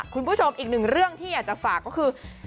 คุณผู้ชมอีกหนึ่งเรื่องที่อยากจะฝากก็คือ